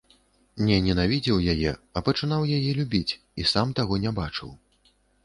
Не ненавідзеў яе, а пачынаў яе любіць і сам таго не бачыў.